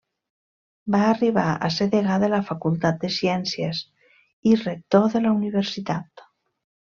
Va arribar a ser degà de la facultat de ciències i rector de la universitat.